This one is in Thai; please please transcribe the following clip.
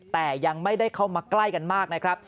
แต่ยังไม่ได้เข้ามาใกล้กันมากนะครับ